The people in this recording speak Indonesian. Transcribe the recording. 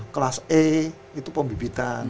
kelas e itu pembibitan